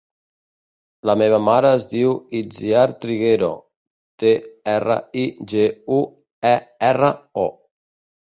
La meva mare es diu Itziar Triguero: te, erra, i, ge, u, e, erra, o.